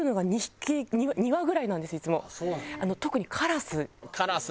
特にカラス。